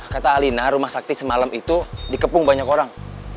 kata alina rumah sakti semalam itu dikepung banyak orang